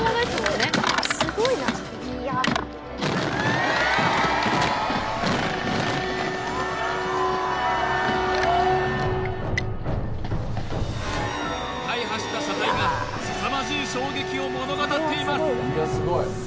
すごいな大破した車体がすさまじい衝撃を物語っています